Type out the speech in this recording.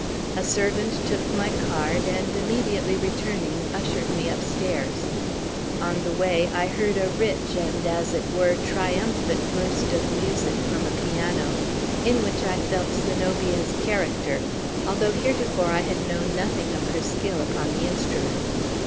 A servant took my card, and, immediately returning, ushered me upstairs. On the way, I heard a rich, and, as it were, triumphant burst of music from a piano, in which I felt Zenobia's character, although heretofore I had known nothing of her skill upon the instrument.